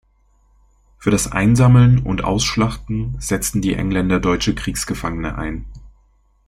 Für das Einsammeln und Ausschlachten setzten die Engländer deutsche Kriegsgefangene ein.